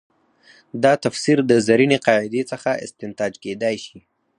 دا تفسیر د زرینې قاعدې څخه استنتاج کېدای شي.